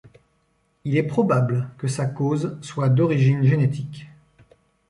Il est probable que sa cause soit d'origine génétique.